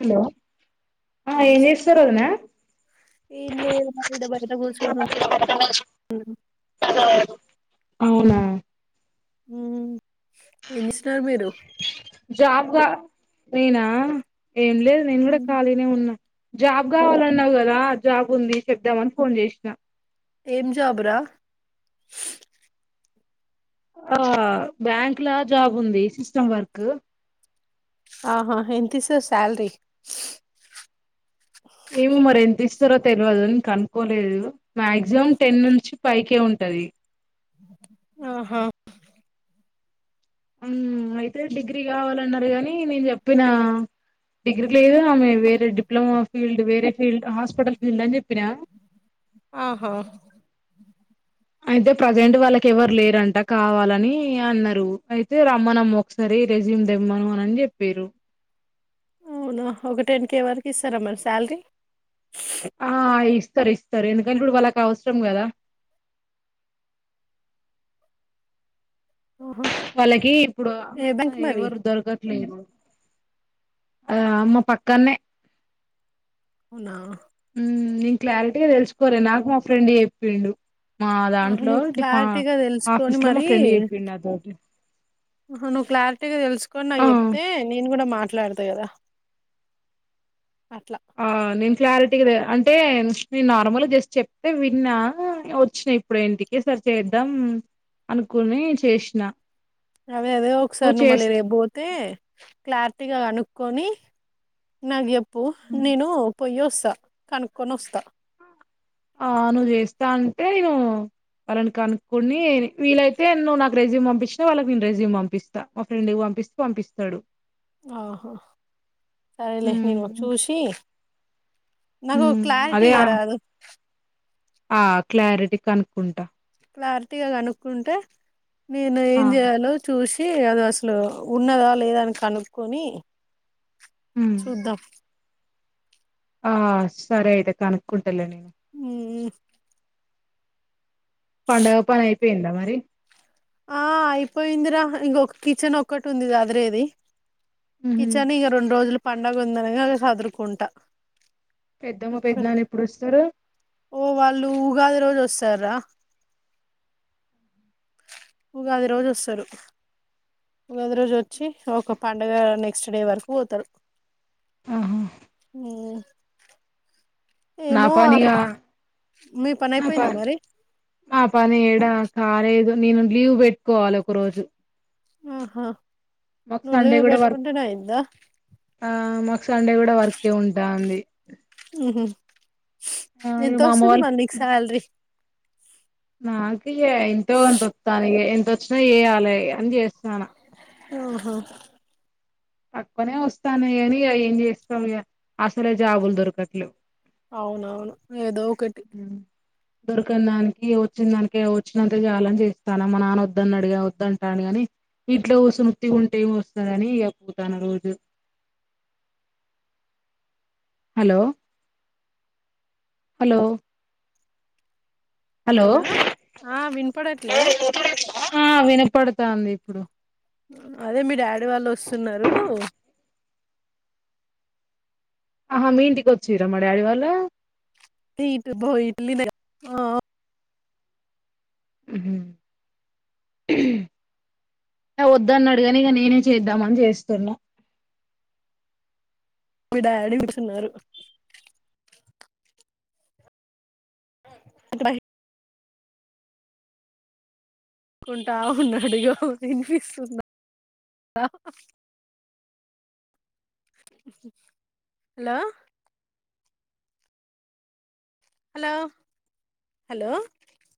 Hello ఆ ఏం చేస్తున్నారు ఏంచేస్తూరు వదిన ఏం లే మడ బయట కూర్చను హలో అవునా మ్మ్ ఏం చేస్తున్నారు మీరు జాబ్గా నేనా ఏం లేదు నేను కూడా ఉమ్, ఖాళీనే ఉన్నా జాబ్ కావాలన్నావు కదా జాబ్ ఉంది చెప్దామని ఫోన్ చేసిన ఏం జాబు రా ఆ బ్యాంక్లా జాబ్ ఉంది సిస్టమ్ వర్క్ ఆహా ఎంత ఇస్తారు శాలరీ సార తెలియదు నంక అనుకోలేదు మాక్సిమం టెన్ నుంచి పైకే ఉంటది ఆహా అయితే డిగ్రీ కావాలన్నారు కాని నేను చెప్పిన డిగ్రీ లేదు ఆమె వేరే డిప్లొమా ఫీల్డ్ వేరే ఫీల్డ్ హాస్పిటల్ ఫీల్డ్ అని చెప్పి ఆహా అయితే ప్రజెంట్ వాళ్ళకి ఎవరు లేరంట కావాలని అన్నారు అయితే రమ్మనమ్మ ఒకసారి రెజీమ్ దెమ్మను అ అని చెప్పారు అవునా ఒక టెన్ కేే వరకు ఇస్తారా మరి శాలరీ ఆ ఇస్తారు ఇస్తారు ఎందుకంటే ఇప్పుడు వాళ్ళకి అవసరం కదా ఆహా వాళ్ళకి ఇప్పుడు ఏ బ్యాంక్ మరి ఎవరు దొరకట్లేదు ఆ అమ్ మా పక్కన్న ఉవునా నేను క్లారిటీగా తెలుసుకోర నాకు మా ఫ్రెండ్ చెప్పిండు మా ఆ దాంట్లో నువ్వు డిపా క్లారిటీగా తెలుసుకొని ఆఫీస్ లో మా మరి ఫ్రెండ్ చెప్పిండు నాతోటి ఆ నువ్వు క్లారిటీగా తెలుసుకోని నా ఆ చెప్తే నేను కూడా మాట్లాడతా కదా అట్లా క్లారిటీ కదా అంటే నేను నార్మల్గా జస్ట్ చెప్తే విన్నా వచ్చినాయి ఇప్పుడు ఇంటికి సరి చేద్దాం అనుకుని చేసిన అదే అదే ఒకసారి నువ్వు నువ్ మళ్ళీ చేస్త రేపుపోతే క్లారిటీ గట్టిగా కనుక్కొని నాకు చెప్పు నేను పొయ వస్తా కనుక్కొని వస్తా ఆ నువ్వు చేస్తా అంటే నేను వాళ్ళని కనుకునిీలయితే నువ్వు నా రెజ్యూ పంపించినా వాళ్ళకి నేను రెజ్యూమ్ పంపిస్తా మా ఫ్రెడ్ం పంపిస్తూ పంపిస్తాడు ఆహా సరేలే నేను ఉమ్, చూసి నాకు ఉమ్, క్లారిటీ అదే ఇయ్య రాదు ఆ క్లారిటీ కనుక్కుంటా క్లారిటీగా కనుక్కుంటే నేను ఆ ఏం చేయాలో చూసి అది అసలు ఉన్నదా లేదా అని కనుక్కక్కొని ఉమ్, చుద్ద ఆ సర అయితే కనుక్కుంటలే నేను అ పండుగ పని అయిపోయిందా మరి ఆ అయిపోయిందిరా ఇంకొక కిచెన్ ఒక్కటి ఉంది దదిరేది ఉహు. కిచన్ ఇక రెండు రోజులు పడుగ ఉందనిగా చదురుకుంటా పెద్దమ్మ ఇప్పుడు పెద్దనాన్న ఎప్పుడు వస్తారు ఓ వాళ్ళు ఉగాద రోజు వస్తార ఉగాది రోజు వస్తారు ఉగాది రోజు వచ్చి ఒక పడుగ నెక్స్ట్ డే వరకు పోతాడు ఆహా ఈ నాపానీ మీ పని అయిపోయిందా నాపాని మరి నాపాని ఏడా కాలేదు నేను లీవ్ పెట్టుకోవాలి ఒక రోజు ఆహా మకు నువ్వు సండే లీవ్ కూడా వర్క్ పెట్టుకుంటేనే అయిందా ఆ మ సండే కూడా వర్క్ే ఉంటాంది ఆ ఇగ ఎంత మా అమ్మ వస్తుంది వాళ్ళు మరి నీకు శాలరీ నాకు ఎంతో అంత వస్తాని ఎంతొచ్చినా ఎయాలి ఇగ చేస్తున్నాను ఓహో పక్కనే వస్తాను అని ఏం చేస్తావు అసలే జాబులు దొరకట్లే అవునవును ఏదో ఒక దొరికన దానికి వచ్చిన దానికి వచ్చినంతే చాలని చేస్తాను మా నాన్న వద్దన్న అడిగా వద్దుంటాను గాని ఇంట్లో ఉత్తిగా కుసుంటే ఏమి వస్తుందనిప్పుతాను రోజు హలో హలో హలో ఆ వినపడట్లే వినపడతు స్తాంది అదే మీ డాడీ వాళ్ళు వసున్నారు ఆహా మీ ఇంటికి వచ్చిరా మ డాడీ వాళ్ళ ఈట్ పో ఇట్లీ నే ఉహు వద్ద అన్నాడుగాని ఇక నేనే చేద్దామని చేస్తున్నా మీ డాడీ కూచున్నారు అంటే బై కుంటా ఉన్నడి వినిపిస్తు దా హలో హలో హలో